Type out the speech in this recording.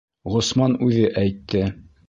Ғосман үҙе әйтте.